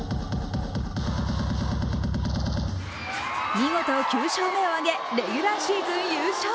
見事、９勝目を挙げレギュラーシーズンを優勝。